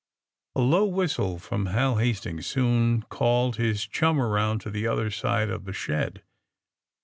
''* A low whistle from Hal Hastings soon called his chum around to the other side of the shed.